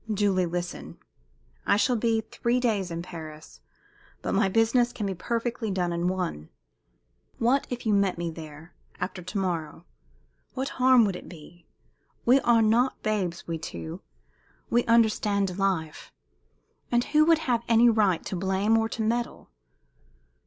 "Julie, listen! I shall be three days in Paris, but my business can be perfectly done in one. What if you met me there after to morrow? What harm would it be? We are not babes, we two. We understand life. And who would have any right to blame or to meddle?